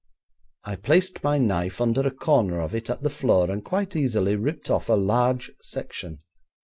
I placed my knife under a corner of it at the floor, and quite easily ripped off a large section.